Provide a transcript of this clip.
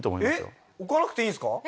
えっ置かなくていいんですか？